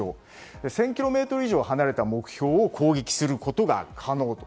１０００ｋｍ以上離れた目標を攻撃することが可能と。